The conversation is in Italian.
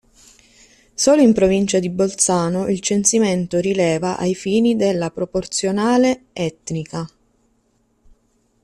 Solo in provincia di Bolzano il censimento rileva ai fini della proporzionale etnica.